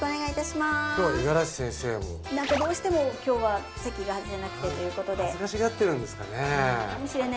今日は五十嵐先生なんかどうしても今日は席が外せなくてということで恥ずかしがってるんですかねえ